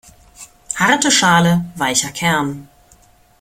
Harte Schale weicher Kern.